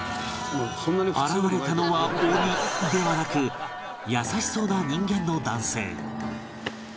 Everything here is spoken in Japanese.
現れたのは鬼ではなく優しそうな人間の男性